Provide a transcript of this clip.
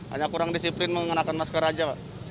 hanya kurang disiplin mengenakan masker saja